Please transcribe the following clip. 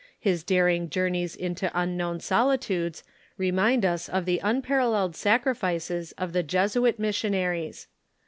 His daring journeys into unknown solitudes remind us of the unparalleled sacrifices of the Jesuit missionaries.